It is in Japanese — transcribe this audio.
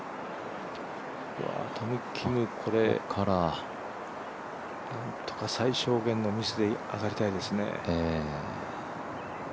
トム・キム、これ、なんとか最小限のミスで上がりたいですね。